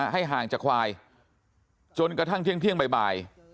ให้ห่างจากควายจนกระทั่งเที่ยงบ่าย